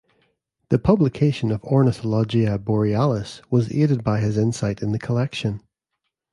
The publication of "Ornithologia Borealis" was aided by his insight in the collection.